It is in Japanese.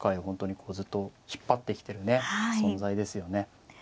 本当にずっと引っ張ってきてる存在ですよね。